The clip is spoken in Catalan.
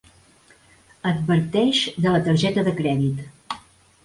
Adverteix de la targeta de crèdit.